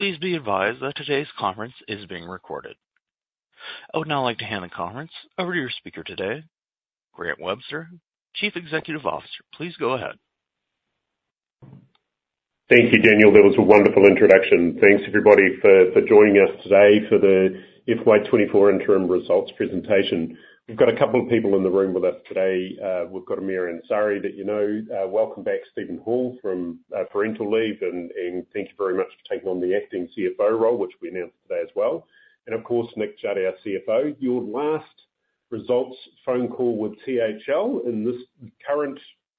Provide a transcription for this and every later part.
Please be advised that today's conference is being recorded. I would now like to hand the conference over to your speaker today, Grant Webster, Chief Executive Officer. Please go ahead. Thank you, Daniel. That was a wonderful introduction. Thanks, everybody, for joining us today for the FY24 interim results presentation. We've got a couple of people in the room with us today. We've got Amir Ansari that you know. Welcome back, Steven Hall, from parental leave, and thank you very much for taking on the acting CFO role, which we announced today as well. And of course, Nick Judd, our CFO. Your last results phone call with THL in this current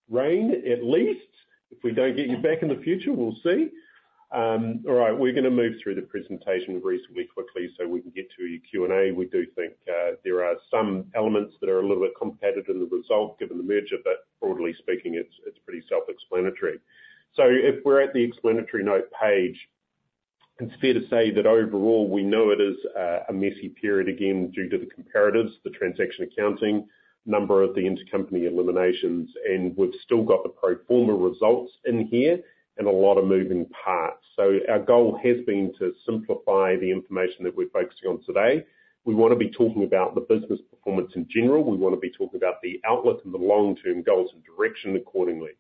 reign, at least. If we don't get you back in the future, we'll see. All right. We're going to move through the presentation reasonably quickly so we can get to your Q&A. We do think there are some elements that are a little bit complicated in the result given the merger, but broadly speaking, it's pretty self-explanatory. So if we're at the explanatory note page, it's fair to say that overall we know it is a messy period again due to the comparatives, the transaction accounting, number of the intercompany eliminations, and we've still got the pro forma results in here and a lot of moving parts. So our goal has been to simplify the information that we're focusing on today. We want to be talking about the business performance in general. We want to be talking about the outlook and the long-term goals and direction accordingly.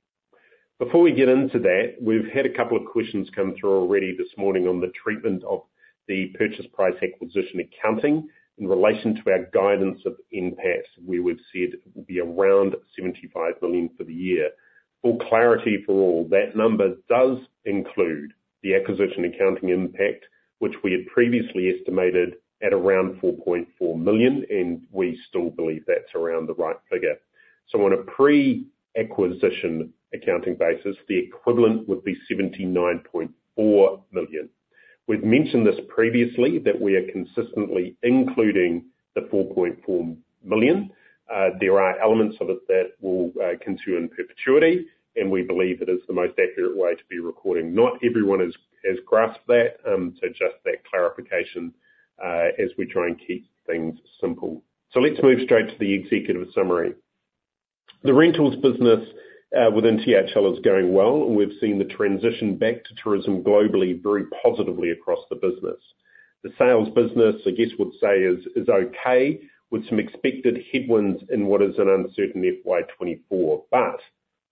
Before we get into that, we've had a couple of questions come through already this morning on the treatment of the purchase price allocation accounting in relation to our guidance of NPAT, where we've said it will be around 75 million for the year. For clarity for all, that number does include the acquisition accounting impact, which we had previously estimated at around 4.4 million, and we still believe that's around the right figure. So on a pre-acquisition accounting basis, the equivalent would be 79.4 million. We've mentioned this previously, that we are consistently including the 4.4 million. There are elements of it that will continue in perpetuity, and we believe it is the most accurate way to be recording. Not everyone has grasped that, so just that clarification as we try and keep things simple. So let's move straight to the executive summary. The rentals business within THL is going well, and we've seen the transition back to tourism globally very positively across the business. The sales business, I guess, would say is okay with some expected headwinds in what is an uncertain FY24. But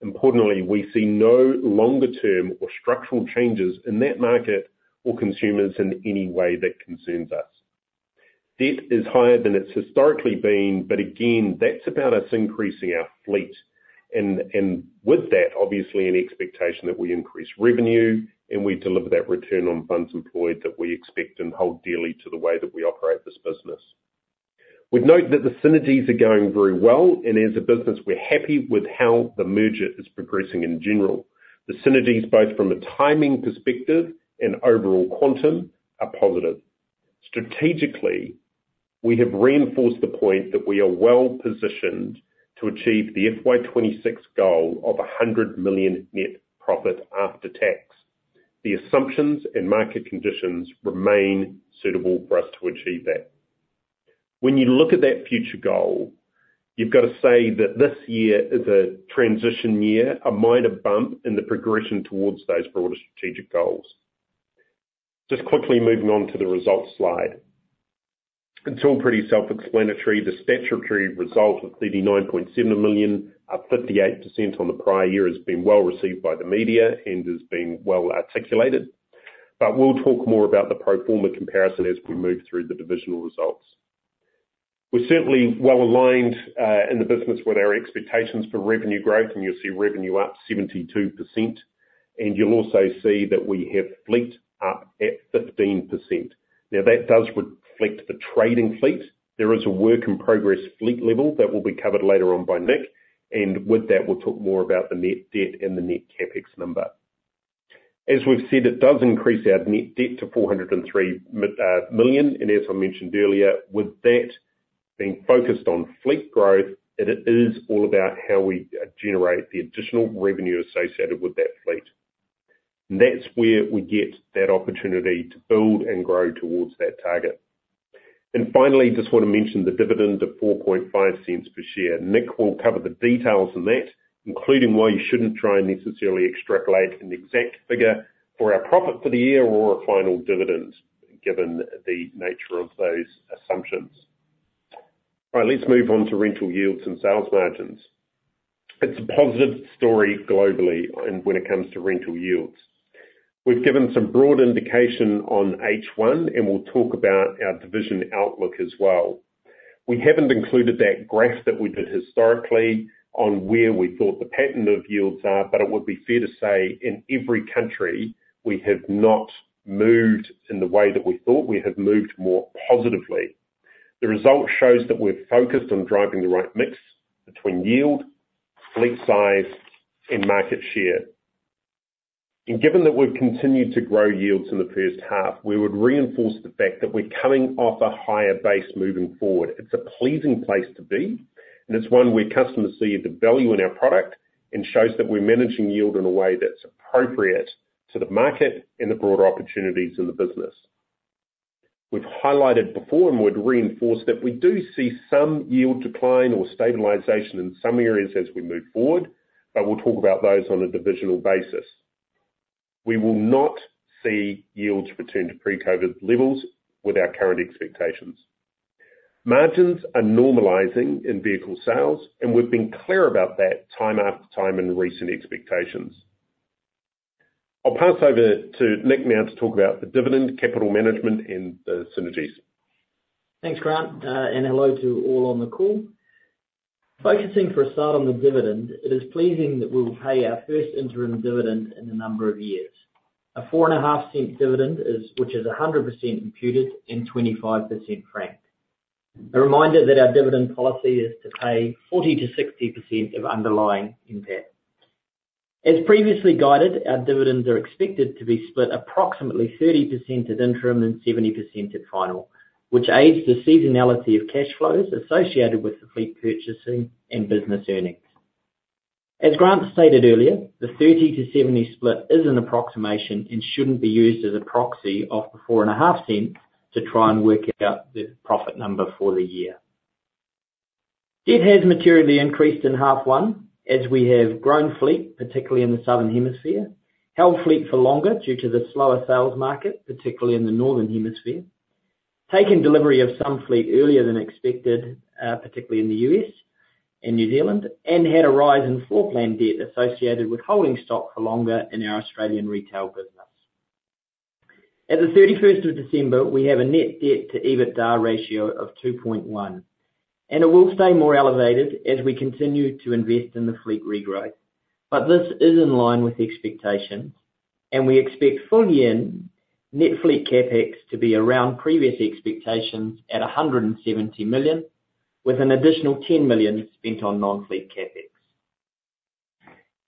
importantly, we see no longer-term or structural changes in that market or consumers in any way that concerns us. Debt is higher than it's historically been, but again, that's about us increasing our fleet. And with that, obviously, an expectation that we increase revenue and we deliver that return on funds employed that we expect and hold daily to the way that we operate this business. We'd note that the synergies are going very well, and as a business, we're happy with how the merger is progressing in general. The synergies, both from a timing perspective and overall quantum, are positive. Strategically, we have reinforced the point that we are well positioned to achieve the FY2026 goal of 100 million net profit after tax. The assumptions and market conditions remain suitable for us to achieve that. When you look at that future goal, you've got to say that this year is a transition year, a minor bump in the progression towards those broader strategic goals. Just quickly moving on to the results slide. It's all pretty self-explanatory. The statutory result of 39.7 million, up 58% on the prior year, has been well received by the media and has been well articulated. But we'll talk more about the pro forma comparison as we move through the divisional results. We're certainly well aligned in the business with our expectations for revenue growth, and you'll see revenue up 72%. And you'll also see that we have fleet up at 15%. Now, that does reflect the trading fleet. There is a work-in-progress fleet level that will be covered later on by Nick. And with that, we'll talk more about the net debt and the net CapEx number. As we've said, it does increase our net debt to 403 million. And as I mentioned earlier, with that being focused on fleet growth, it is all about how we generate the additional revenue associated with that fleet. And that's where we get that opportunity to build and grow towards that target. And finally, just want to mention the dividend of 0.045 per share. Nick will cover the details in that, including why you shouldn't try and necessarily extrapolate an exact figure for our profit for the year or a final dividend given the nature of those assumptions. All right. Let's move on to rental yields and sales margins. It's a positive story globally when it comes to rental yields. We've given some broad indication on H1, and we'll talk about our division outlook as well. We haven't included that graph that we did historically on where we thought the pattern of yields are, but it would be fair to say in every country, we have not moved in the way that we thought. We have moved more positively. The result shows that we're focused on driving the right mix between yield, fleet size, and market share. And given that we've continued to grow yields in the first half, we would reinforce the fact that we're coming off a higher base moving forward. It's a pleasing place to be, and it's one where customers see the value in our product and shows that we're managing yield in a way that's appropriate to the market and the broader opportunities in the business. We've highlighted before, and we'd reinforce that we do see some yield decline or stabilization in some areas as we move forward, but we'll talk about those on a divisional basis. We will not see yields return to pre-COVID levels with our current expectations. Margins are normalizing in vehicle sales, and we've been clear about that time after time in recent expectations. I'll pass over to Nick now to talk about the dividend, capital management, and the synergies. Thanks, Grant, and hello to all on the call. Focusing for a start on the dividend, it is pleasing that we will pay our first interim dividend in a number of years. A 0.045 dividend, which is 100% imputed and 25% franked. A reminder that our dividend policy is to pay 40%-60% of underlying NPAT. As previously guided, our dividends are expected to be split approximately 30% at interim and 70% at final, which aids the seasonality of cash flows associated with the fleet purchasing and business earnings. As Grant stated earlier, the 30 to 70 split is an approximation and shouldn't be used as a proxy of the 0.045 to try and work out the profit number for the year. Debt has materially increased in half one as we have grown fleet, particularly in the southern hemisphere, held fleet for longer due to the slower sales market, particularly in the northern hemisphere, taken delivery of some fleet earlier than expected, particularly in the U.S. and New Zealand, and had a rise in floor plan debt associated with holding stock for longer in our Australian retail business. At the 31st of December, we have a net debt to EBITDA ratio of 2.1, and it will stay more elevated as we continue to invest in the fleet regrowth. But this is in line with expectations, and we expect full year-end net fleet CapEx to be around previous expectations at 170 million, with an additional 10 million spent on non-fleet CapEx.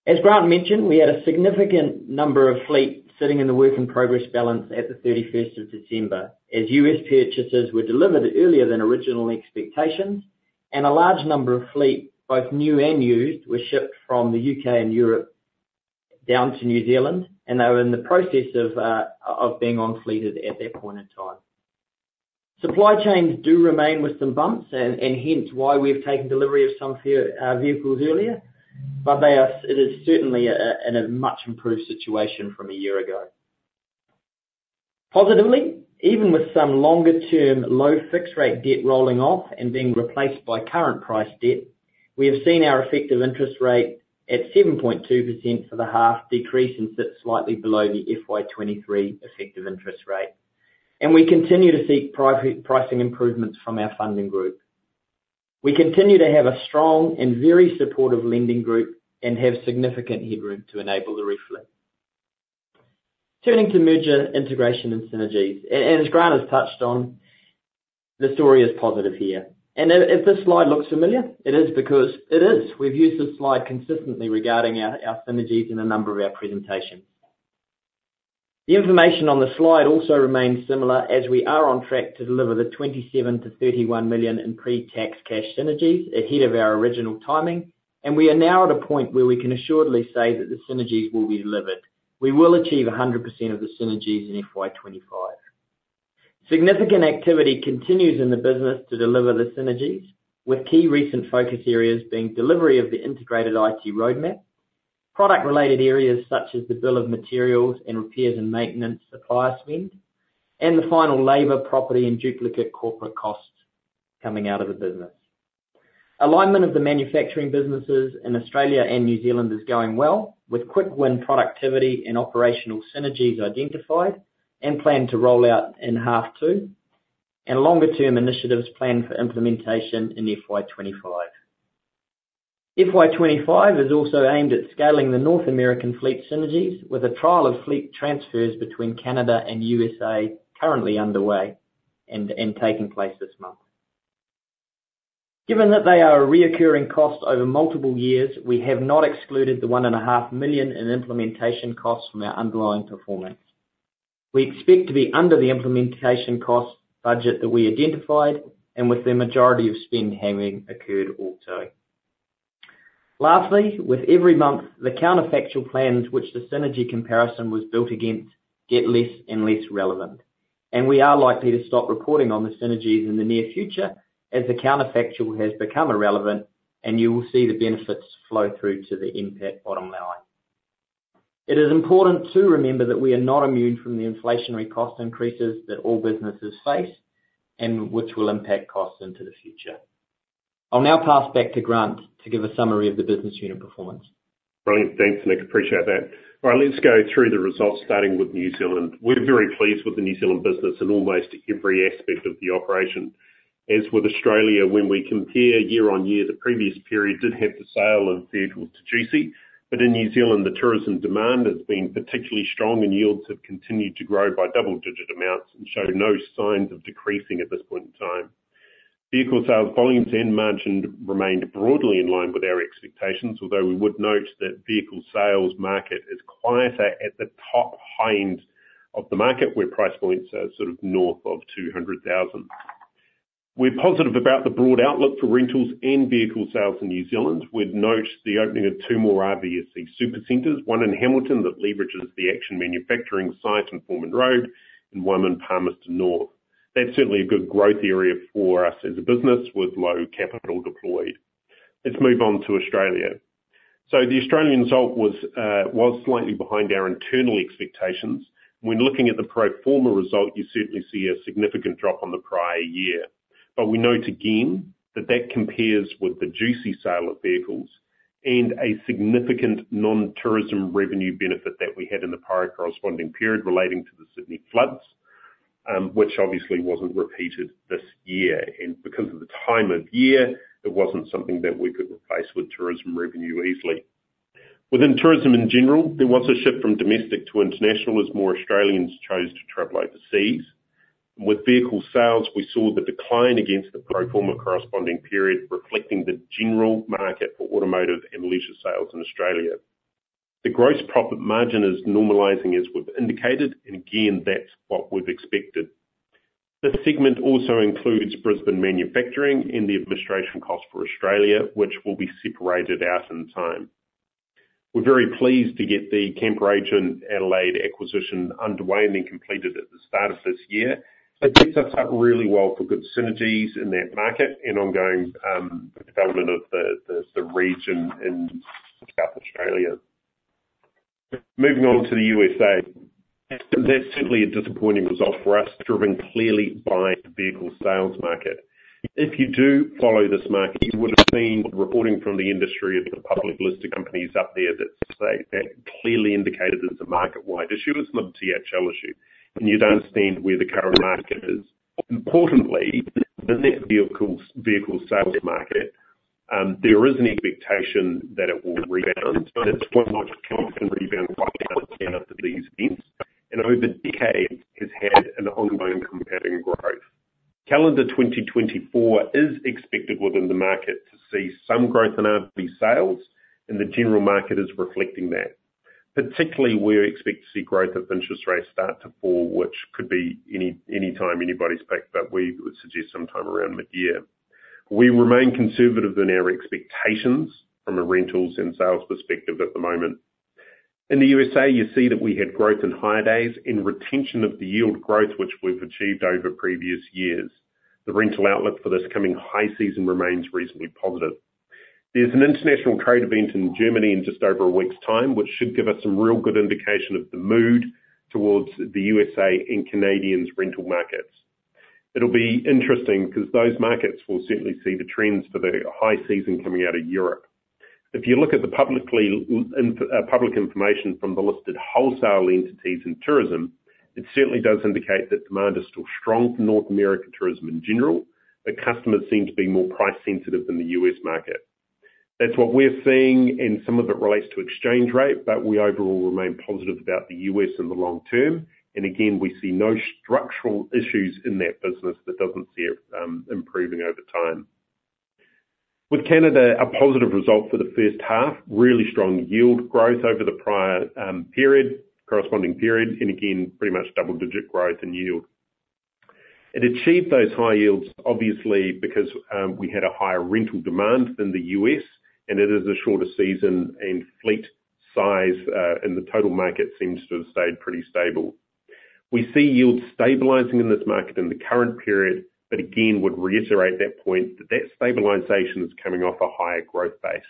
As Grant mentioned, we had a significant number of fleet sitting in the work-in-progress balance at the 31st of December as U.S. purchases were delivered earlier than original expectations, and a large number of fleet, both new and used, were shipped from the U.K. and Europe down to New Zealand, and they were in the process of being on fleet at that point in time. Supply chains do remain with some bumps, and hence why we've taken delivery of some vehicles earlier. But it is certainly in a much improved situation from a year ago. Positively, even with some longer-term low fixed-rate debt rolling off and being replaced by current price debt, we have seen our effective interest rate at 7.2% for the half decrease and sit slightly below the FY23 effective interest rate. And we continue to seek pricing improvements from our funding group. We continue to have a strong and very supportive lending group and have significant headroom to enable the reflection. Turning to merger integration and synergies. As Grant has touched on, the story is positive here. If this slide looks familiar, it is because it is. We've used this slide consistently regarding our synergies in a number of our presentations. The information on the slide also remains similar as we are on track to deliver the 27 million-31 million in pre-tax cash synergies ahead of our original timing. We are now at a point where we can assuredly say that the synergies will be delivered. We will achieve 100% of the synergies in FY 2025. Significant activity continues in the business to deliver the synergies, with key recent focus areas being delivery of the integrated IT roadmap, product-related areas such as the bill of materials and repairs and maintenance supplier spend, and the final labor, property, and duplicate corporate costs coming out of the business. Alignment of the manufacturing businesses in Australia and New Zealand is going well, with quick-win productivity and operational synergies identified and planned to roll out in H2, and longer-term initiatives planned for implementation in FY25. FY25 is also aimed at scaling the North American fleet synergies with a trial of fleet transfers between Canada and USA currently underway and taking place this month. Given that they are a recurring cost over multiple years, we have not excluded the 1.5 million in implementation costs from our underlying performance. We expect to be under the implementation cost budget that we identified and with the majority of spend having occurred also. Lastly, with every month, the counterfactual plans which the synergy comparison was built against get less and less relevant. We are likely to stop reporting on the synergies in the near future as the counterfactual has become irrelevant, and you will see the benefits flow through to the NPAT bottom line. It is important to remember that we are not immune from the inflationary cost increases that all businesses face and which will impact costs into the future. I'll now pass back to Grant to give a summary of the business unit performance. Brilliant. Thanks, Nick. Appreciate that. All right. Let's go through the results starting with New Zealand. We're very pleased with the New Zealand business in almost every aspect of the operation. As with Australia, when we compare year-on-year, the previous period did have the sale of vehicles to JUCY. But in New Zealand, the tourism demand has been particularly strong, and yields have continued to grow by double-digit amounts and show no signs of decreasing at this point in time. Vehicle sales volumes and margin remained broadly in line with our expectations, although we would note that vehicle sales market is quieter at the top high end of the market, where price points are sort of north of 200,000. We're positive about the broad outlook for rentals and vehicle sales in New Zealand. We'd note the opening of two more RVSC supercenters, one in Hamilton that leverages the Action Manufacturing site in Foreman Road and one in Palmerston North. That's certainly a good growth area for us as a business with low capital deployed. Let's move on to Australia. So the Australian result was slightly behind our internal expectations. When looking at the pro forma result, you certainly see a significant drop on the prior year. But we note again that that compares with the JUCY sale of vehicles and a significant non-tourism revenue benefit that we had in the prior corresponding period relating to the Sydney floods, which obviously wasn't repeated this year. And because of the time of year, it wasn't something that we could replace with tourism revenue easily. Within tourism in general, there was a shift from domestic to international as more Australians chose to travel overseas. With vehicle sales, we saw the decline against the pro forma corresponding period reflecting the general market for automotive and leisure sales in Australia. The gross profit margin is normalizing as we've indicated, and again, that's what we've expected. This segment also includes Brisbane manufacturing and the administration cost for Australia, which will be separated out in time. We're very pleased to get the Camperagent Adelaide acquisition underway and then completed at the start of this year. It picks us up really well for good synergies in that market and ongoing development of the region in South Australia. Moving on to the USA. That's certainly a disappointing result for us, driven clearly by the vehicle sales market. If you do follow this market, you would have seen reporting from the industry of the public listed companies up there that clearly indicated it's a market-wide issue. It's not a THL issue, and you'd understand where the current market is. Importantly, the net vehicle sales market, there is an expectation that it will rebound. It's not much of a rebound, down 10% after these events. Over decades, it has had an ongoing consistent growth. Calendar 2024 is expected within the market to see some growth in RV sales, and the general market is reflecting that. Particularly, we expect to see interest rates start to fall, which could be any time anybody's guess, but we would suggest sometime around mid-year. We remain conservative in our expectations from a rentals and sales perspective at the moment. In the U.S., you see that we had growth in hire days and retention of the yield growth which we've achieved over previous years. The rental outlook for this coming high season remains reasonably positive. There's an international trade event in Germany in just over a week's time, which should give us some real good indication of the mood towards the USA and Canadians' rental markets. It'll be interesting because those markets will certainly see the trends for the high season coming out of Europe. If you look at the public information from the listed wholesale entities in tourism, it certainly does indicate that demand is still strong for North American tourism in general, but customers seem to be more price-sensitive than the U.S. market. That's what we're seeing, and some of it relates to exchange rate, but we overall remain positive about the U.S. in the long term. Again, we see no structural issues in that business that doesn't see it improving over time. With Canada, a positive result for the first half, really strong yield growth over the prior corresponding period, and again, pretty much double-digit growth in yield. It achieved those high yields, obviously, because we had a higher rental demand than the U.S., and it is a shorter season, and fleet size and the total market seems to have stayed pretty stable. We see yields stabilizing in this market in the current period, but again, would reiterate that point that that stabilization is coming off a higher growth base.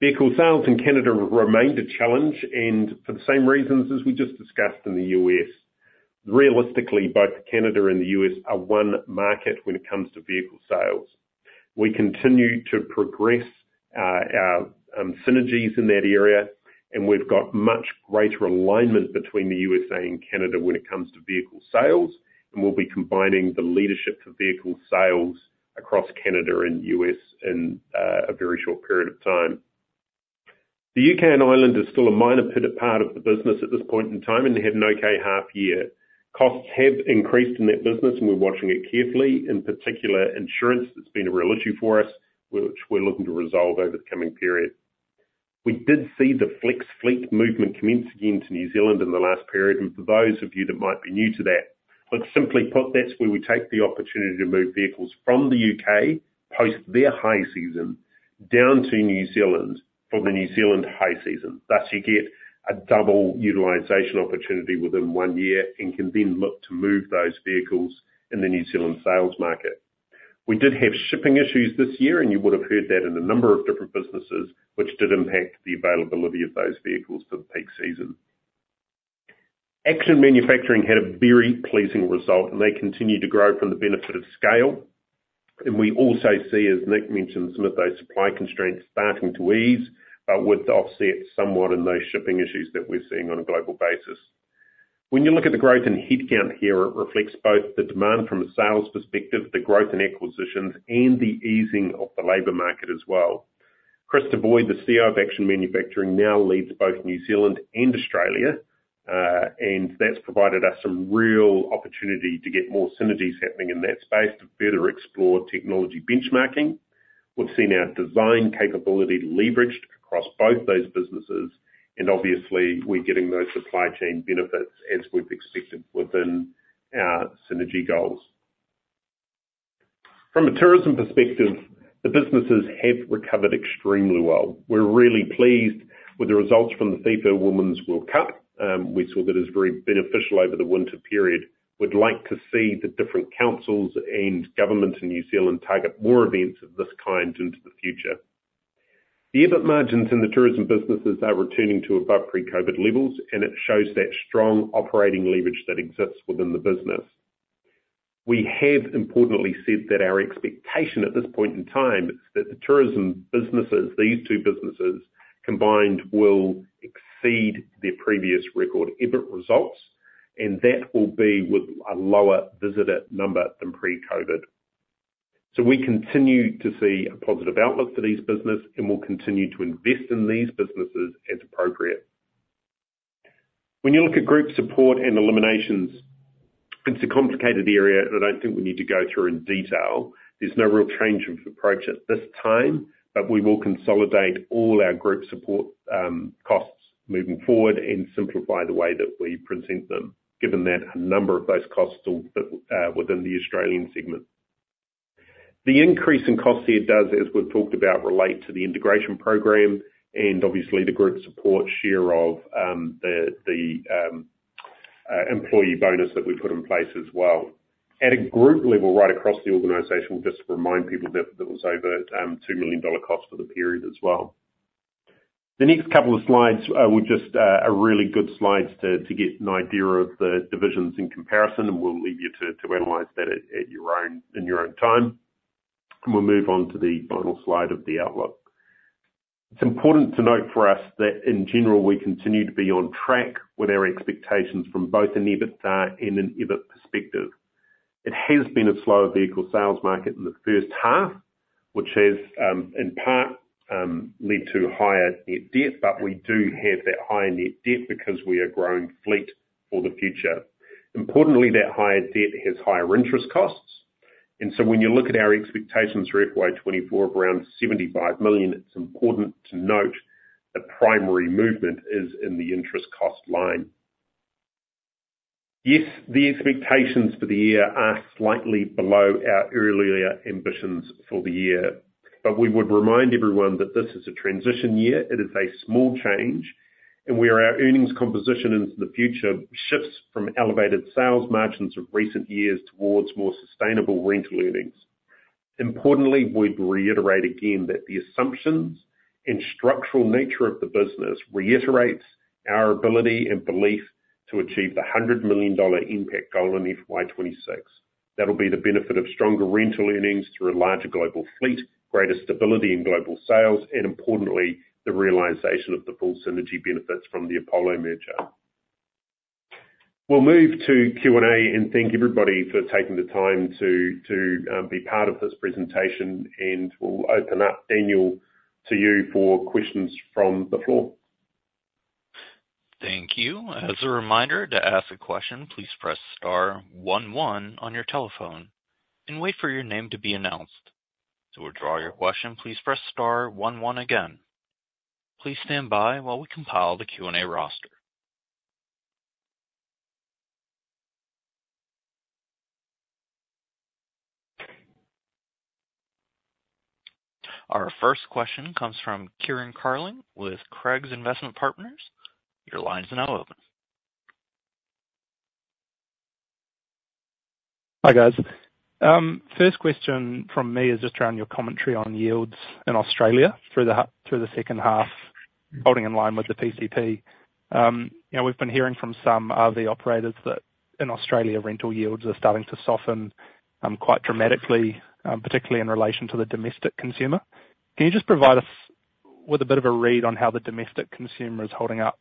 Vehicle sales in Canada remain a challenge and for the same reasons as we just discussed in the U.S. Realistically, both Canada and the U.S. are one market when it comes to vehicle sales. We continue to progress our synergies in that area, and we've got much greater alignment between the U.S.A. and Canada when it comes to vehicle sales. We'll be combining the leadership for vehicle sales across Canada and U.S. in a very short period of time. The U.K. and Ireland are still a minor part of the business at this point in time and had an okay half year. Costs have increased in that business, and we're watching it carefully. In particular, insurance has been a real issue for us, which we're looking to resolve over the coming period. We did see the flex fleet movement commence again to New Zealand in the last period. For those of you that might be new to that, let's simply put that's where we take the opportunity to move vehicles from the U.K. post their high season down to New Zealand for the New Zealand high season. Thus, you get a double utilization opportunity within one year and can then look to move those vehicles in the New Zealand sales market. We did have shipping issues this year, and you would have heard that in a number of different businesses, which did impact the availability of those vehicles for the peak season. Action Manufacturing had a very pleasing result, and they continue to grow from the benefit of scale. We also see, as Nick mentioned, some of those supply constraints starting to ease, but with the offset somewhat in those shipping issues that we're seeing on a global basis. When you look at the growth in headcount here, it reflects both the demand from a sales perspective, the growth in acquisitions, and the easing of the labor market as well. Chris DeVoy, the CEO of Action Manufacturing, now leads both New Zealand and Australia. That's provided us some real opportunity to get more synergies happening in that space to further explore technology benchmarking. We've seen our design capability leveraged across both those businesses. Obviously, we're getting those supply chain benefits as we've expected within our synergy goals. From a tourism perspective, the businesses have recovered extremely well. We're really pleased with the results from the FIFA Women's World Cup. We saw that it was very beneficial over the winter period. We'd like to see the different councils and government in New Zealand target more events of this kind into the future. The EBIT margins in the tourism businesses are returning to above pre-COVID levels, and it shows that strong operating leverage that exists within the business. We have, importantly, said that our expectation at this point in time is that the tourism businesses, these two businesses combined, will exceed their previous record EBIT results, and that will be with a lower visitor number than pre-COVID. So we continue to see a positive outlook for these businesses, and we'll continue to invest in these businesses as appropriate. When you look at group support and eliminations, it's a complicated area, and I don't think we need to go through in detail. There's no real change of approach at this time, but we will consolidate all our group support costs moving forward and simplify the way that we present them, given that a number of those costs are within the Australian segment. The increase in costs here does, as we've talked about, relate to the integration program and obviously the group support share of the employee bonus that we put in place as well. At a group level, right across the organization, we'll just remind people that there was over 2 million dollar cost for the period as well. The next couple of slides were just really good slides to get an idea of the divisions in comparison, and we'll leave you to analyze that in your own time. We'll move on to the final slide of the outlook. It's important to note for us that, in general, we continue to be on track with our expectations from both an EBITDA and an EBIT perspective. It has been a slower vehicle sales market in the first half, which has in part led to higher net debt. But we do have that higher net debt because we are growing fleet for the future. Importantly, that higher debt has higher interest costs. And so when you look at our expectations for FY24 of around 75 million, it's important to note the primary movement is in the interest cost line. Yes, the expectations for the year are slightly below our earlier ambitions for the year. But we would remind everyone that this is a transition year. It is a small change. And where our earnings composition into the future shifts from elevated sales margins of recent years towards more sustainable rental earnings. Importantly, we'd reiterate again that the assumptions and structural nature of the business reiterate our ability and belief to achieve the 100 million dollar NPAT goal in FY26. That'll be the benefit of stronger rental earnings through a larger global fleet, greater stability in global sales, and importantly, the realization of the full synergy benefits from the Apollo merger. We'll move to Q&A and thank everybody for taking the time to be part of this presentation. We'll open up, Daniel, to you for questions from the floor. Thank you. As a reminder, to ask a question, please press star 11 on your telephone and wait for your name to be announced. To withdraw your question, please press star 11 again. Please stand by while we compile the Q&A roster. Our first question comes from Kieran Carling with Craigs Investment Partners. Your line's now open. Hi, guys. First question from me is just around your commentary on yields in Australia through the second half, holding in line with the PCP. We've been hearing from some RV operators that in Australia, rental yields are starting to soften quite dramatically, particularly in relation to the domestic consumer. Can you just provide us with a bit of a read on how the domestic consumer is holding up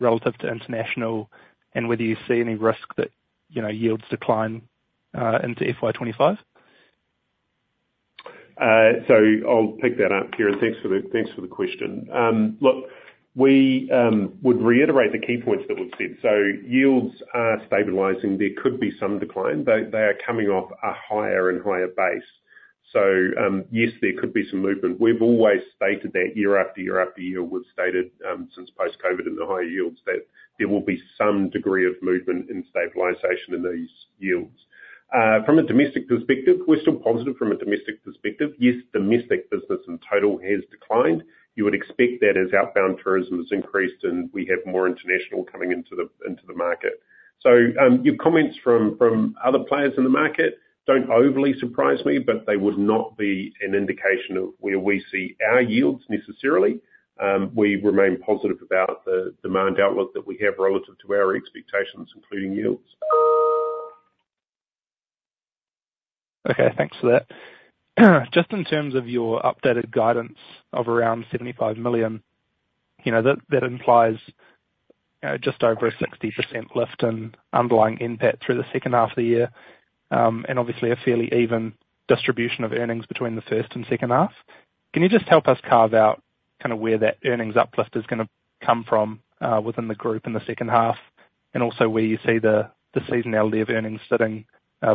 relative to international and whether you see any risk that yields decline into FY2025? So I'll pick that up, Kieran. Thanks for the question. Look, we would reiterate the key points that we've said. So yields are stabilizing. There could be some decline. They are coming off a higher and higher base. So yes, there could be some movement. We've always stated that year after year after year, we've stated since post-COVID and the higher yields, that there will be some degree of movement and stabilization in these yields. From a domestic perspective, we're still positive. From a domestic perspective, yes, domestic business in total has declined. You would expect that as outbound tourism has increased and we have more international coming into the market. So your comments from other players in the market don't overly surprise me, but they would not be an indication of where we see our yields necessarily. We remain positive about the demand outlook that we have relative to our expectations, including yields. Okay. Thanks for that. Just in terms of your updated guidance of around 75 million, that implies just over a 60% lift in underlying NPAT through the second half of the year and obviously a fairly even distribution of earnings between the first and second half. Can you just help us carve out kind of where that earnings uplift is going to come from within the group in the second half and also where you see the seasonality of earnings sitting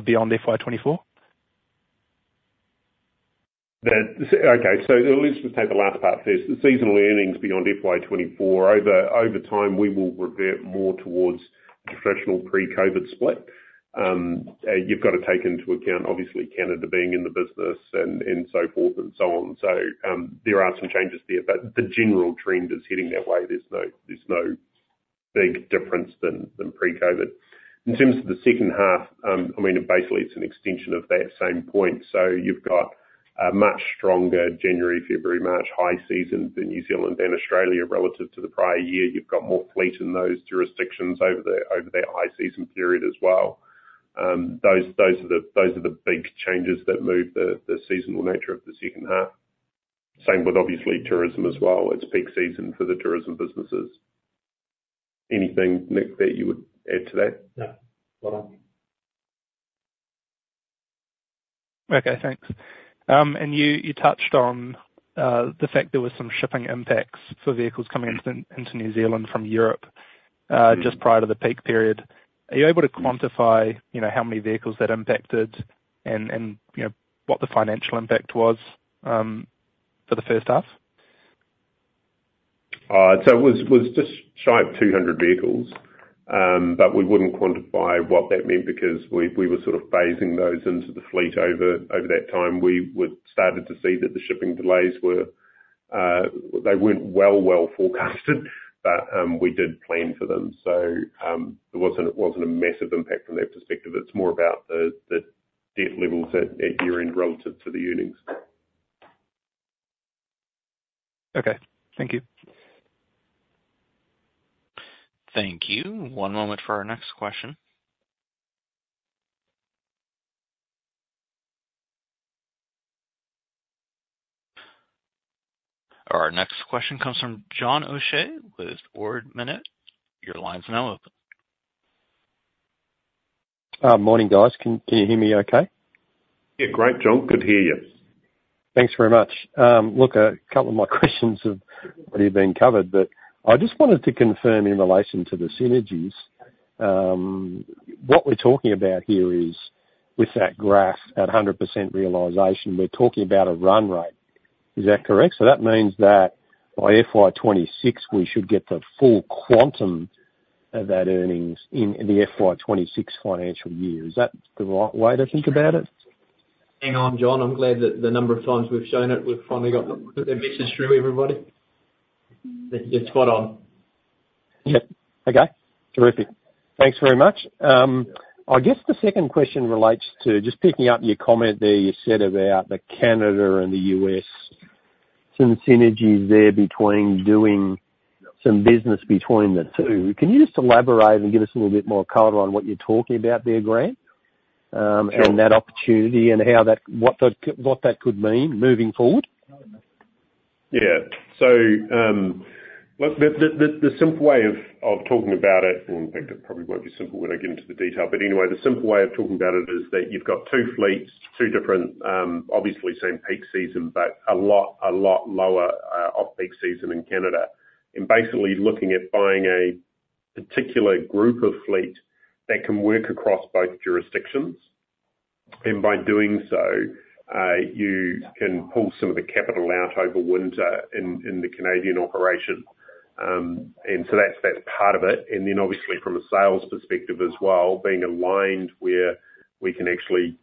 beyond FY 2024? Okay. So let's just take the last part first. The seasonal earnings beyond FY2024, over time, we will revert more towards a traditional pre-COVID split. You've got to take into account, obviously, Canada being in the business and so forth and so on. So there are some changes there, but the general trend is heading that way. There's no big difference than pre-COVID. In terms of the second half, I mean, basically, it's an extension of that same point. So you've got a much stronger January, February, March high season for New Zealand and Australia relative to the prior year. You've got more fleet in those jurisdictions over that high season period as well. Those are the big changes that move the seasonal nature of the second half. Same with, obviously, tourism as well. It's peak season for the tourism businesses. Anything, Nick, that you would add to that? No. Well done. Okay. Thanks. And you touched on the fact there were some shipping impacts for vehicles coming into New Zealand from Europe just prior to the peak period. Are you able to quantify how many vehicles that impacted and what the financial impact was for the first half? So it was just shy of 200 vehicles, but we wouldn't quantify what that meant because we were sort of phasing those into the fleet over that time. We started to see that the shipping delays were. They weren't well forecasted, but we did plan for them. So it wasn't a massive impact from that perspective. It's more about the debt levels at year-end relative to the earnings. Okay. Thank you. Thank you. One moment for our next question. Our next question comes from John O'Shea with Ord Minnett. Your line's now open. Morning, guys. Can you hear me okay? Yeah. Great, John. Good to hear you. Thanks very much. Look, a couple of my questions have already been covered, but I just wanted to confirm in relation to the synergies. What we're talking about here is with that graph at 100% realization, we're talking about a run rate. Is that correct? So that means that by FY26, we should get the full quantum of that earnings in the FY26 financial year. Is that the right way to think about it? Hang on, John. I'm glad that the number of times we've shown it, we've finally got the message through, everybody. Yeah. Spot on. Yeah. Okay. Terrific. Thanks very much. I guess the second question relates to just picking up your comment there. You said about Canada and the U.S., some synergies there between doing some business between the two. Can you just elaborate and give us a little bit more color on what you're talking about there, Grant, and that opportunity and what that could mean moving forward? Yeah. So look, the simple way of talking about it—well, in fact, it probably won't be simple when I get into the detail. But anyway, the simple way of talking about it is that you've got two fleets, two different, obviously, same peak season, but a lot lower off-peak season in Canada. And basically, looking at buying a particular group of fleet that can work across both jurisdictions. And by doing so, you can pull some of the capital out over winter in the Canadian operation. And so that's part of it. And then, obviously, from a sales perspective as well, being aligned where we can actually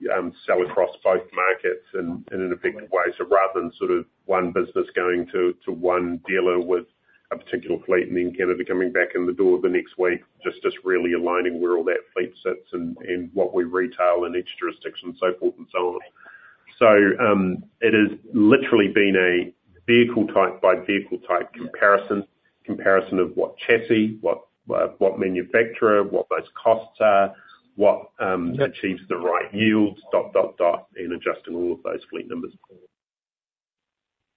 sell across both markets in an effective way. So rather than sort of one business going to one dealer with a particular fleet and then Canada coming back in the door the next week, just really aligning where all that fleet sits and what we retail in each jurisdiction and so forth and so on. So it has literally been a vehicle type by vehicle type comparison, comparison of what chassis, what manufacturer, what those costs are, what achieves the right yields,..., and adjusting all of those fleet numbers.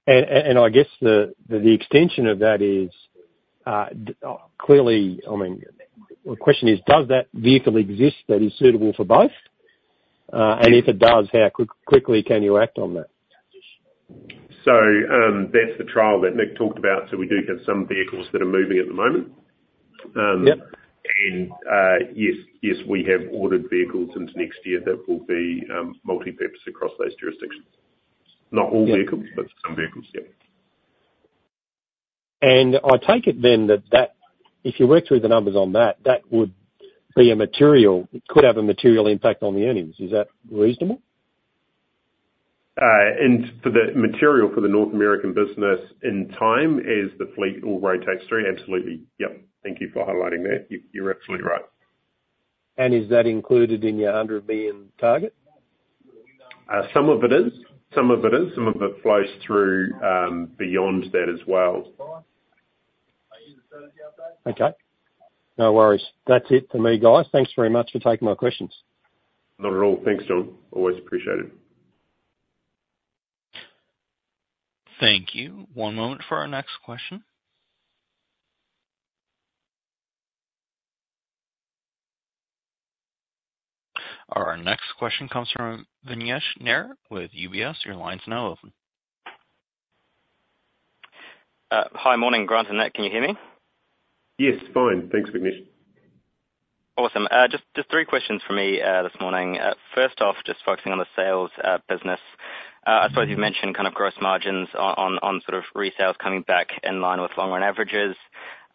I guess the extension of that is clearly, I mean, the question is, does that vehicle exist that is suitable for both? If it does, how quickly can you act on that? So that's the trial that Nick talked about. So we do have some vehicles that are moving at the moment. And yes, yes, we have ordered vehicles into next year that will be multipurpose across those jurisdictions. Not all vehicles, but some vehicles. Yeah. I take it then that if you work through the numbers on that, that would be a material, it could have a material impact on the earnings. Is that reasonable? For the material for the North American business in time as the fleet all rotates through, absolutely. Yep. Thank you for highlighting that. You're absolutely right. Is that included in your 100 million target? Some of it is. Some of it is. Some of it flows through beyond that as well. Okay. No worries. That's it for me, guys. Thanks very much for taking my questions. Not at all. Thanks, John. Always appreciate it. Thank you. One moment for our next question. Our next question comes from Vignesh Nair with UBS. Your line's now open. Hi. Morning, Grant and Nick. Can you hear me? Yes. Fine. Thanks, Vignesh. Awesome. Just three questions for me this morning. First off, just focusing on the sales business. I suppose you've mentioned kind of gross margins on sort of resales coming back in line with long-run averages.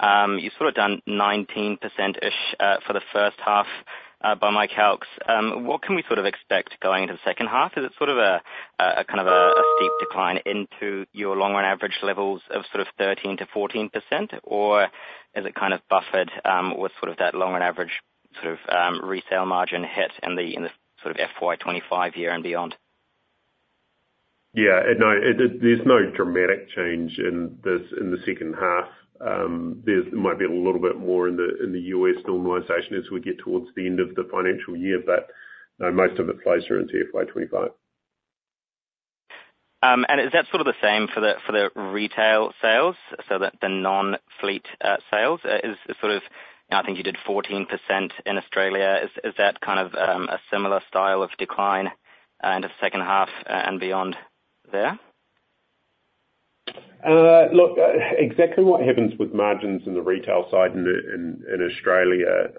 You sort of done 19%-ish for the first half by my calcs. What can we sort of expect going into the second half? Is it sort of a kind of a steep decline into your long-run average levels of sort of 13%-14%, or is it kind of buffered with sort of that long-run average sort of resale margin hit in the sort of FY2025 year and beyond? Yeah. No, there's no dramatic change in the second half. There might be a little bit more in the U.S. normalization as we get towards the end of the financial year, but most of it flows through into FY 2025. Is that sort of the same for the retail sales, so the non-fleet sales? Is sort of I think you did 14% in Australia. Is that kind of a similar style of decline into the second half and beyond there? Look, exactly what happens with margins in the retail side in Australia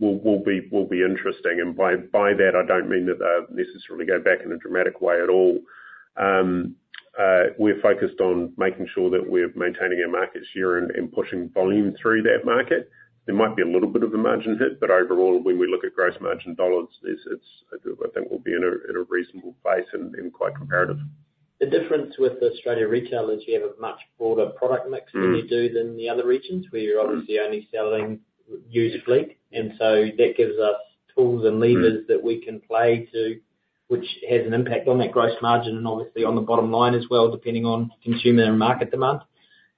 will be interesting. And by that, I don't mean that they'll necessarily go back in a dramatic way at all. We're focused on making sure that we're maintaining our market share and pushing volume through that market. There might be a little bit of a margin hit, but overall, when we look at gross margin dollars, I think we'll be in a reasonable place and quite comparative. The difference with Australia retail is you have a much broader product mix than you do than the other regions where you're obviously only selling used fleet. And so that gives us tools and levers that we can play to which has an impact on that gross margin and obviously on the bottom line as well, depending on consumer and market demand.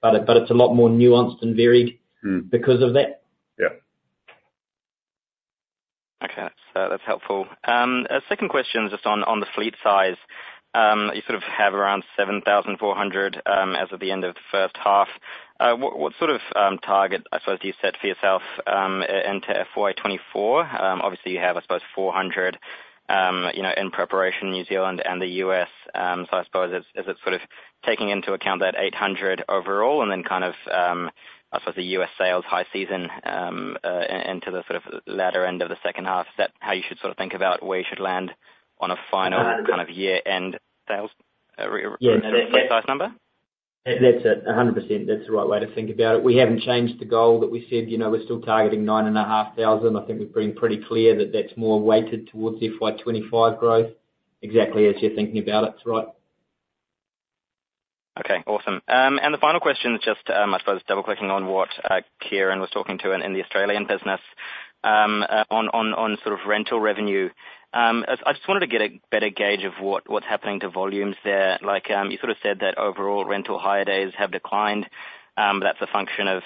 But it's a lot more nuanced and varied because of that. Yeah. Okay. That's helpful. Second question is just on the fleet size. You sort of have around 7,400 as of the end of the first half. What sort of target, I suppose, do you set for yourself into FY 2024? Obviously, you have, I suppose, 400 in preparation, New Zealand and the U.S. So I suppose, is it sort of taking into account that 800 overall and then kind of, I suppose, the U.S., sales high season into the sort of latter end of the second half? Is that how you should sort of think about where you should land on a final kind of year-end sales? Is that the right-sized number? That's it. 100%. That's the right way to think about it. We haven't changed the goal that we said. We're still targeting 9,500. I think we're putting pretty clear that that's more weighted towards FY25 growth, exactly as you're thinking about it. It's right. Okay. Awesome. And the final question is just, I suppose, double-clicking on what Kieran was talking to in the Australian business on sort of rental revenue. I just wanted to get a better gauge of what's happening to volumes there. You sort of said that overall, rental hire days have declined, but that's a function of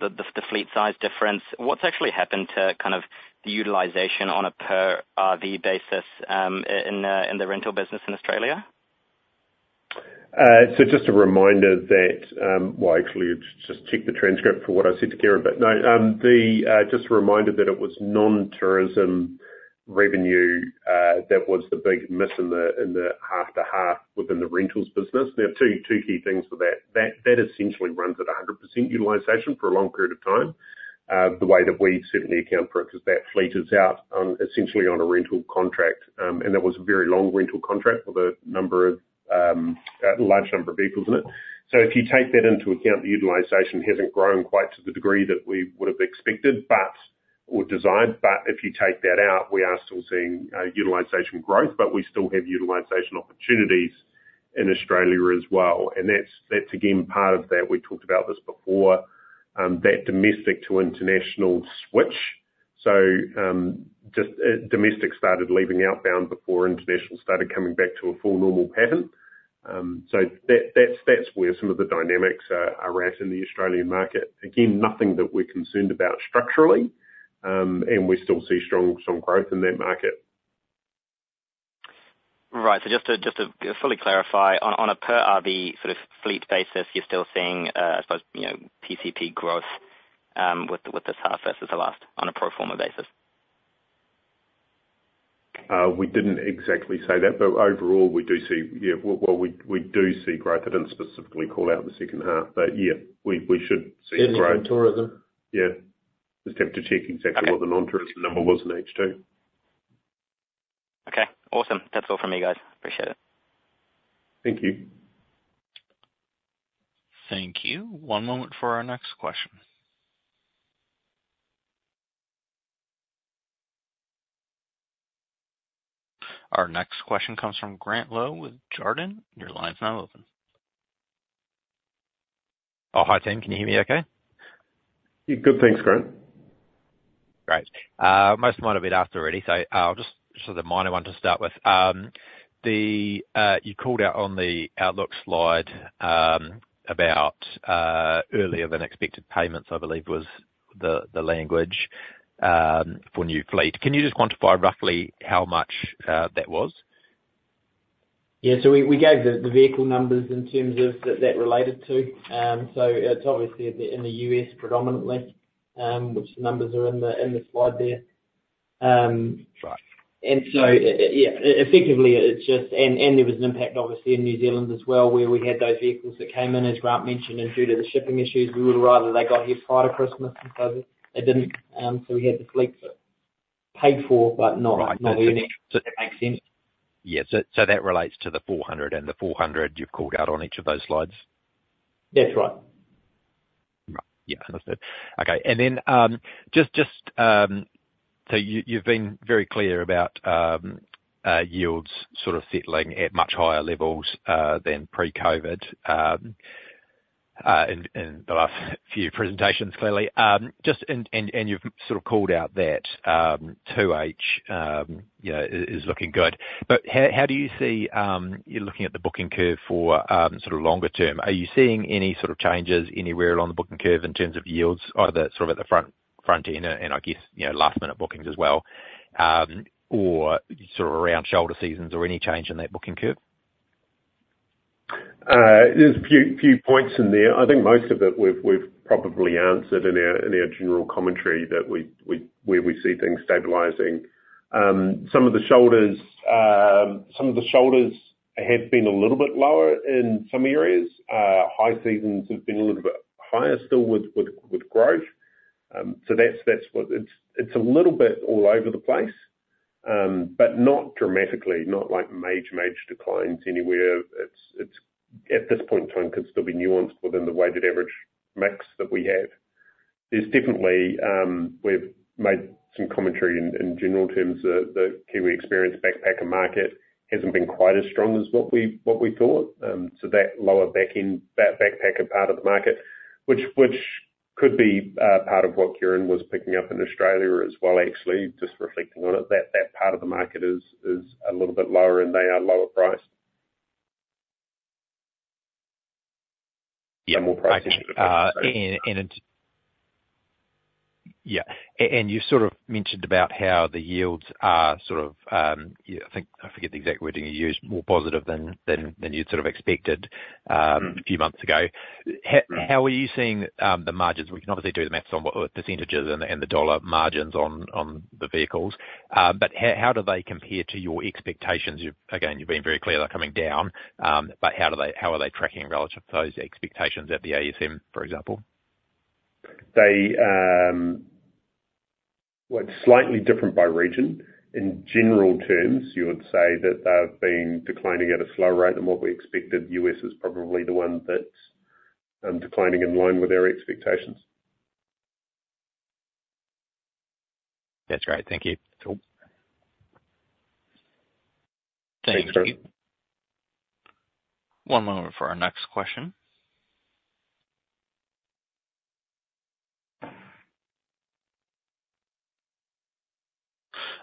the fleet-size difference. What's actually happened to kind of the utilization on a per RV basis in the rental business in Australia? So just a reminder that well, actually, just check the transcript for what I said to Kieran. But no, just a reminder that it was non-tourism revenue that was the big miss in the half to half within the rentals business. Now, two key things for that. That essentially runs at 100% utilization for a long period of time. The way that we certainly account for it because that fleet is out essentially on a rental contract. And that was a very long rental contract with a large number of vehicles in it. So if you take that into account, the utilization hasn't grown quite to the degree that we would have expected or desired. But if you take that out, we are still seeing utilization growth, but we still have utilization opportunities in Australia as well. And that's, again, part of that. We talked about this before, that domestic to international switch. So domestic started leaving outbound before international started coming back to a full normal pattern. So that's where some of the dynamics are at in the Australian market. Again, nothing that we're concerned about structurally, and we still see strong growth in that market. Right. So just to fully clarify, on a per RV sort of fleet basis, you're still seeing, I suppose, PCP growth with this half versus the last on a pro forma basis? We didn't exactly say that, but overall, we do see yeah, well, we do see growth. I didn't specifically call out the second half, but yeah, we should see growth. In tourism? Yeah. Just have to check exactly what the non-tourism number was in H2. Okay. Awesome. That's all from me, guys. Appreciate it. Thank you. Thank you. One moment for our next question. Our next question comes from Grant Lowe with Jarden. Your line's now open. Oh, hi, Tim. Can you hear me okay? Yeah. Good. Thanks, Grant. Right. Most of mine have been asked already, so just as a minor one to start with, you called out on the outlook slide about earlier than expected payments, I believe, was the language for new fleet. Can you just quantify roughly how much that was? Yeah. So we gave the vehicle numbers in terms of that related to. So it's obviously in the U.S. predominantly, which the numbers are in the slide there. And so yeah, effectively, it's just and there was an impact, obviously, in New Zealand as well where we had those vehicles that came in, as Grant mentioned, and due to the shipping issues, we would have rather they got here prior to Christmas. And so they didn't. So we had the fleet paid for, but not earning, if that makes sense. Right. Yeah. So that relates to the 400. And the 400 you've called out on each of those slides? That's right. Right. Yeah. Understood. Okay. And then just so you've been very clear about yields sort of settling at much higher levels than pre-COVID in the last few presentations, clearly. And you've sort of called out that 2H is looking good. But how do you see you're looking at the booking curve for sort of longer term. Are you seeing any sort of changes anywhere along the booking curve in terms of yields, either sort of at the front end and, I guess, last-minute bookings as well, or sort of around shoulder seasons or any change in that booking curve? There's a few points in there. I think most of it we've probably answered in our general commentary where we see things stabilizing. Some of the shoulders some of the shoulders have been a little bit lower in some areas. High seasons have been a little bit higher still with growth. So it's a little bit all over the place, but not dramatically, not major, major declines anywhere. At this point in time, it could still be nuanced within the weighted average mix that we have. We've made some commentary in general terms. The Kiwi Experience backpacker market hasn't been quite as strong as what we thought. So that lower backpacker part of the market, which could be part of what Kieran was picking up in Australia as well, actually, just reflecting on it, that part of the market is a little bit lower, and they are lower priced. Some more pricing should have been higher. Yeah. You sort of mentioned about how the yields are sort of. I forget the exact wording you used. More positive than you'd sort of expected a few months ago. How are you seeing the margins? We can obviously do the math on percentages and the dollar margins on the vehicles, but how do they compare to your expectations? Again, you've been very clear they're coming down, but how are they tracking relative to those expectations at the AGM, for example? Well, it's slightly different by region. In general terms, you would say that they've been declining at a slower rate than what we expected. U.S., is probably the one that's declining in line with our expectations. That's great. Thank you. Thanks. Thanks, Grant. One moment for our next question.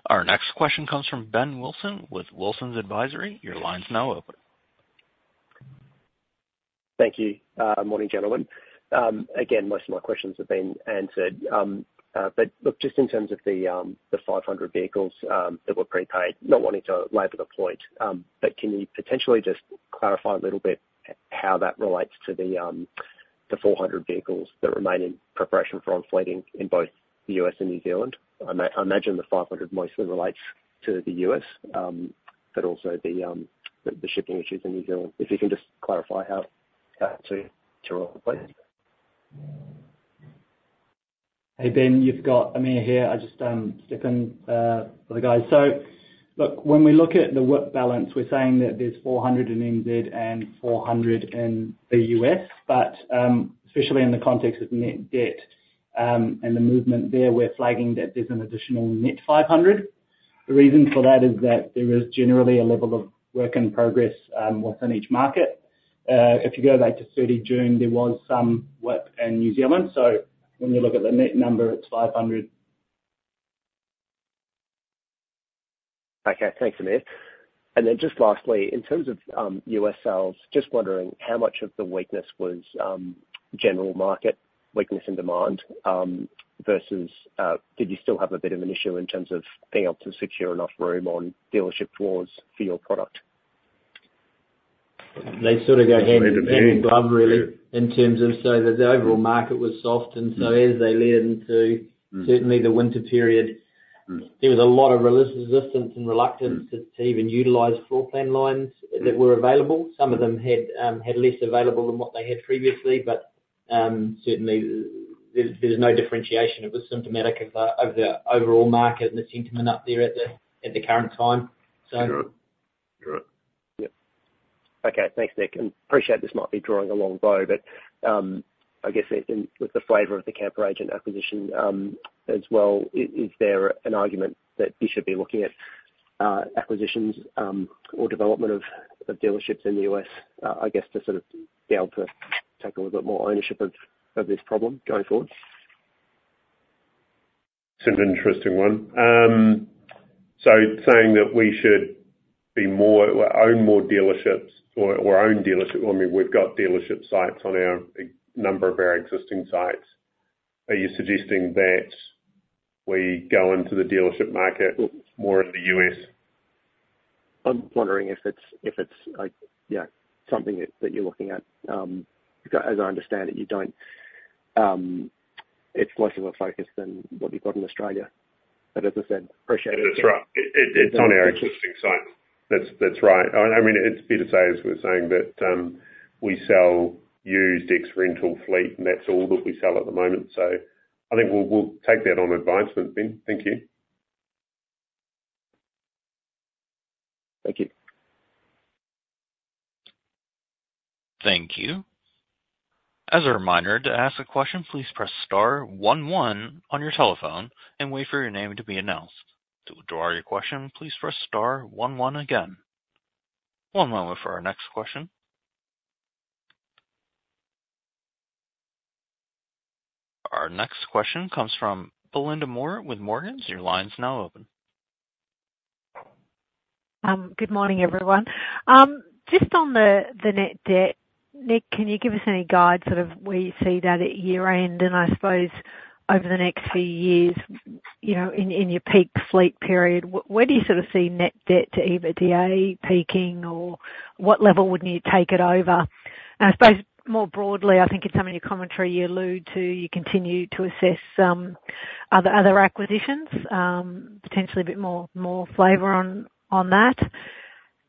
Our next question comes from Ben Wilson with Wilsons Advisory. Your line's now open. Thank you. Morning, gentlemen. Again, most of my questions have been answered. But look, just in terms of the 500 vehicles that were prepaid, not wanting to labor the point, but can you potentially just clarify a little bit how that relates to the 400 vehicles that remain in preparation for on-fleeting in both the U.S. and New Zealand? I imagine the 500 mostly relates to the U.S., but also the shipping issues in New Zealand. If you can just clarify how to relate, please. Hey, Ben. You've got Amir here. I'm just stepping for the guys. So look, when we look at the work balance, we're saying that there's 400 in NZ and 400 in the U.S., but especially in the context of net debt and the movement there, we're flagging that there's an additional net 500. The reason for that is that there is generally a level of work in progress within each market. If you go back to 30 June, there was some work in New Zealand. So when you look at the net number, it's 500. Okay. Thanks, Amir. And then just lastly, in terms of U.S. sales, just wondering how much of the weakness was general market weakness in demand versus did you still have a bit of an issue in terms of being able to secure enough room on dealership floors for your product? They sort of go hand in glove, really, in terms of so that the overall market was soft. So as they led into, certainly, the winter period, there was a lot of resistance and reluctance to even utilize floor plan lines that were available. Some of them had less available than what they had previously, but certainly, there's no differentiation. It was symptomatic of the overall market and the sentiment up there at the current time, so. Sure. Sure. Yep. Okay. Thanks, Nick. And appreciate this might be drawing a long bow, but I guess with the flavour of the Camperagent acquisition as well, is there an argument that you should be looking at acquisitions or development of dealerships in the U.S. I guess, to sort of be able to take a little bit more ownership of this problem going forward? It's an interesting one. So saying that we should own more dealerships or own dealerships, well, I mean, we've got dealership sites on a number of our existing sites. Are you suggesting that we go into the dealership market more in the U.S.? I'm wondering if it's, yeah, something that you're looking at. As I understand it, it's less of a focus than what you've got in Australia. But as I said, appreciate it. It's on our existing sites. That's right. I mean, it's better to say as we're saying that we sell used ex-rental fleet, and that's all that we sell at the moment. So I think we'll take that on advisement, Ben. Thank you. Thank you. Thank you. As a reminder to ask a question, please press * 11 on your telephone and wait for your name to be announced. To withdraw your question, please press * 11 again. One moment for our next question. Our next question comes from Belinda Moore with Morgans. Your line's now open. Good morning, everyone. Just on the net debt, Nick, can you give us any guide sort of where you see that at year-end and, I suppose, over the next few years in your peak fleet period? Where do you sort of see net debt to EBITDA peaking, or what level wouldn't you take it over? And I suppose more broadly, I think in some of your commentary, you allude to you continue to assess other acquisitions, potentially a bit more flavor on that.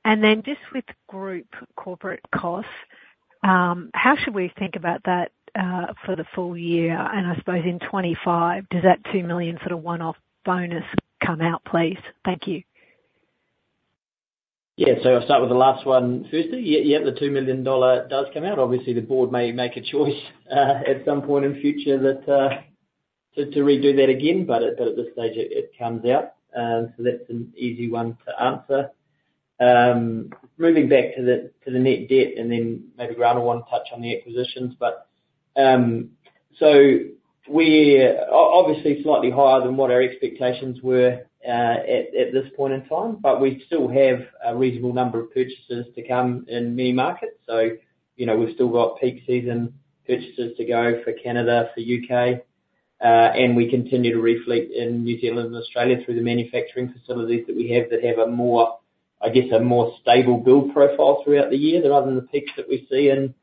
And then just with group corporate costs, how should we think about that for the full year? And I suppose in 2025, does that 2 million sort of one-off bonus come out, please? Thank you. Yeah. So I'll start with the last one. Firstly, yeah, the 2 million dollar does come out. Obviously, the board may make a choice at some point in future to redo that again, but at this stage, it comes out. So that's an easy one to answer. Moving back to the net debt and then maybe Grant will want to touch on the acquisitions, but so we're obviously slightly higher than what our expectations were at this point in time, but we still have a reasonable number of purchases to come in many markets. So we've still got peak season purchases to go for Canada, for U.K., and we continue to reflect in New Zealand and Australia through the manufacturing facilities that we have that have, I guess, a more stable build profile throughout the year rather than the peaks that we see in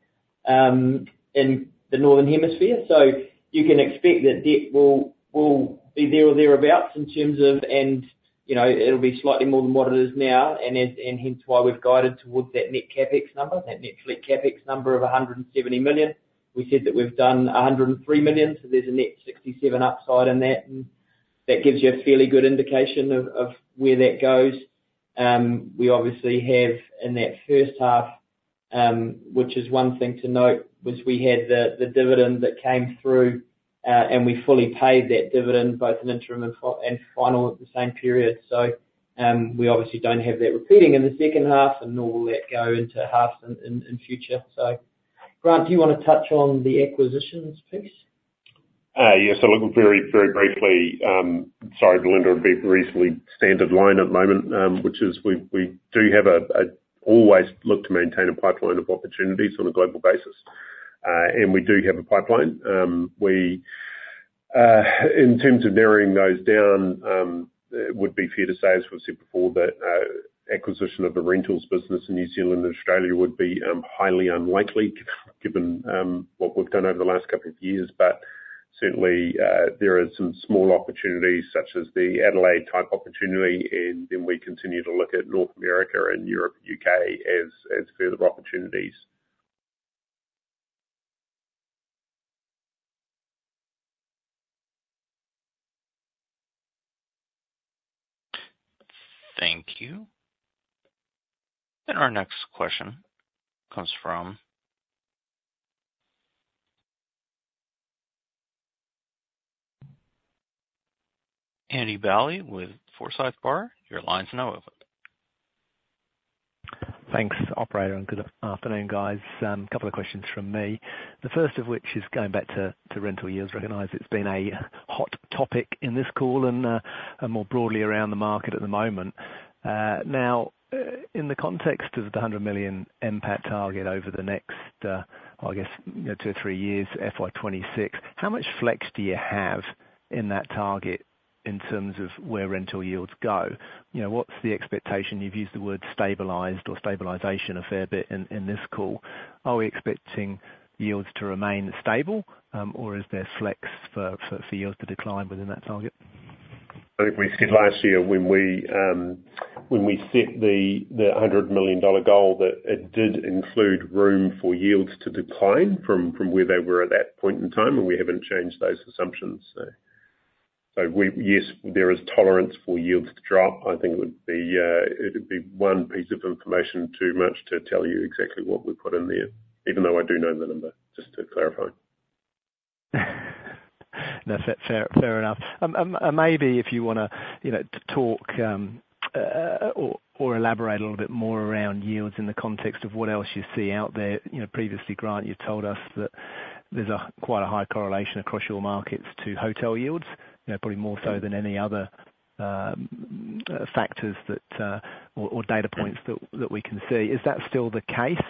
the northern hemisphere. So you can expect that debt will be there or thereabouts in terms of and it'll be slightly more than what it is now, and hence why we've guided towards that net CapEx number, that net fleet CapEx number of 170 million. We said that we've done 103 million, so there's a net 67 million upside in that, and that gives you a fairly good indication of where that goes. We obviously have in that first half, which is one thing to note, was we had the dividend that came through, and we fully paid that dividend, both in interim and final, at the same period. So we obviously don't have that repeating in the second half, and nor will that go into halves in future. So Grant, do you want to touch on the acquisitions piece? Yes. So look, very, very briefly, sorry, Belinda, I'd say the reasonably standard line at the moment, which is we do have. We always look to maintain a pipeline of opportunities on a global basis, and we do have a pipeline. In terms of narrowing those down, it would be fair to say, as we've said before, that acquisition of the rentals business in New Zealand and Australia would be highly unlikely given what we've done over the last couple of years. But certainly, there are some small opportunities such as the Adelaide-type opportunity, and then we continue to look at North America and Europe, UK, as further opportunities. Thank you. And our next question comes from Andy Bowley with Forsyth Barr. Your line's now open. Thanks, operator, and good afternoon, guys. A couple of questions from me, the first of which is going back to rental yields. Recognize it's been a hot topic in this call and more broadly around the market at the moment. Now, in the context of the 100 million NPAT target over the next, I guess, two or three years, FY26, how much flex do you have in that target in terms of where rental yields go? What's the expectation? You've used the word stabilized or stabilization a fair bit in this call. Are we expecting yields to remain stable, or is there flex for yields to decline within that target? I think we said last year when we set the 100 million dollar goal that it did include room for yields to decline from where they were at that point in time, and we haven't changed those assumptions. So yes, there is tolerance for yields to drop. I think it would be one piece of information too much to tell you exactly what we put in there, even though I do know the number, just to clarify. Fair enough. Maybe if you want to talk or elaborate a little bit more around yields in the context of what else you see out there. Previously, Grant, you've told us that there's quite a high correlation across your markets to hotel yields, probably more so than any other factors or data points that we can see. Is that still the case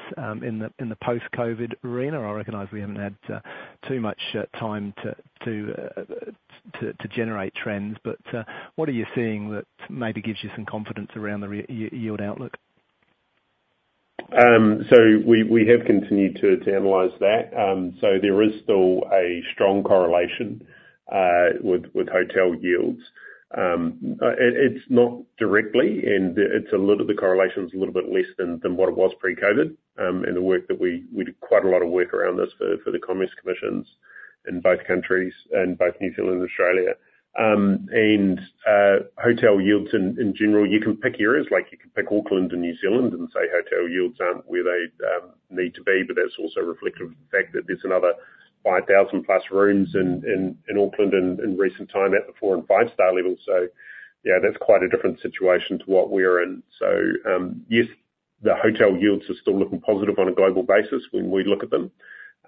in the post-COVID arena? I recognize we haven't had too much time to generate trends, but what are you seeing that maybe gives you some confidence around the yield outlook? So we have continued to analyze that. So there is still a strong correlation with hotel yields. It's not directly, and the correlation's a little bit less than what it was pre-COVID. And the work that we did quite a lot of work around this for the commerce commissions in both countries and both New Zealand and Australia. And hotel yields in general, you can pick areas. You can pick Auckland and New Zealand and say hotel yields aren't where they need to be, but that's also reflective of the fact that there's another 5,000+ rooms in Auckland in recent time at the four- and five-star level. So yeah, that's quite a different situation to what we're in. So yes, the hotel yields are still looking positive on a global basis when we look at them.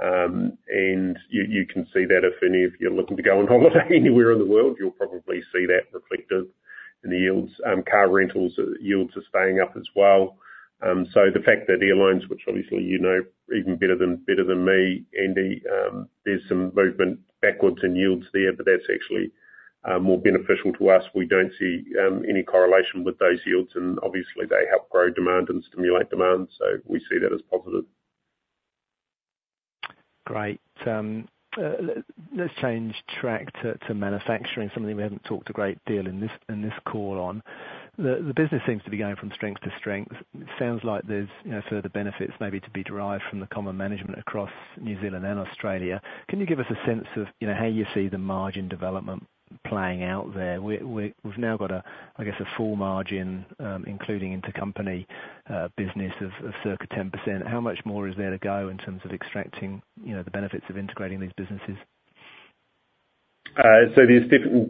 You can see that if any of you are looking to go on holiday anywhere in the world, you'll probably see that reflected in the yields. Car rentals, yields are staying up as well. So the fact that airlines, which obviously you know even better than me, Andy, there's some movement backwards in yields there, but that's actually more beneficial to us. We don't see any correlation with those yields, and obviously, they help grow demand and stimulate demand. So we see that as positive. Great. Let's change track to manufacturing, something we haven't talked a great deal in this call on. The business seems to be going from strength to strength. Sounds like there's further benefits maybe to be derived from the common management across New Zealand and Australia. Can you give us a sense of how you see the margin development playing out there? We've now got, I guess, a full margin including intercompany business of circa 10%. How much more is there to go in terms of extracting the benefits of integrating these businesses? So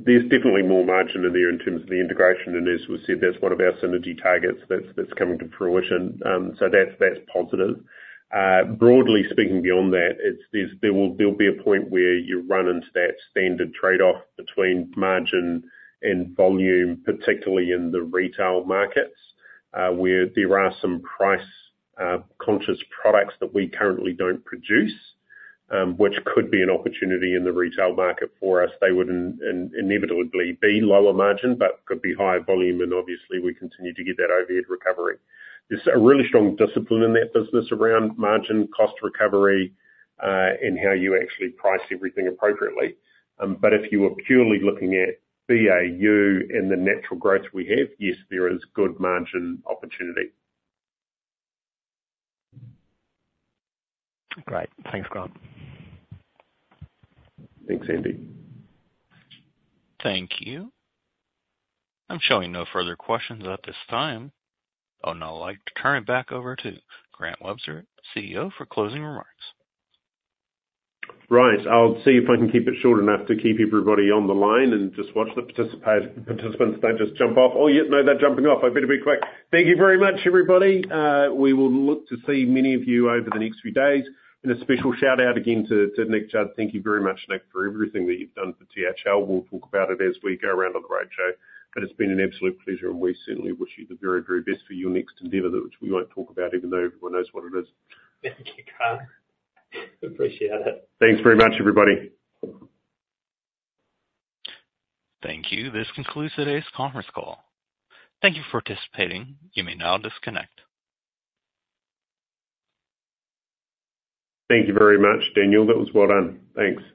there's definitely more margin in there in terms of the integration. And as we said, that's one of our synergy targets that's coming to fruition. So that's positive. Broadly speaking, beyond that, there'll be a point where you run into that standard trade-off between margin and volume, particularly in the retail markets where there are some price-conscious products that we currently don't produce, which could be an opportunity in the retail market for us. They would inevitably be lower margin but could be higher volume, and obviously, we continue to get that overhead recovery. There's a really strong discipline in that business around margin, cost recovery, and how you actually price everything appropriately. But if you were purely looking at BAU and the natural growth we have, yes, there is good margin opportunity. Great. Thanks, Grant. Thanks, Andy. Thank you. I'm showing no further questions at this time. Oh, no. I'd like to turn it back over to Grant Webster, CEO, for closing remarks. Right. I'll see if I can keep it short enough to keep everybody on the line and just watch the participants don't just jump off. Oh, yeah. No, they're jumping off. I better be quick. Thank you very much, everybody. We will look to see many of you over the next few days. A special shout-out again to Nick Judd. Thank you very much, Nick, for everything that you've done for THL. We'll talk about it as we go around on the roadshow, but it's been an absolute pleasure, and we certainly wish you the very, very best for your next endeavour, which we won't talk about even though everyone knows what it is. Thank you, Grant. Appreciate it. Thanks very much, everybody. Thank you. This concludes today's conference call. Thank you for participating. You may now disconnect. Thank you very much, Daniel. That was well done. Thanks.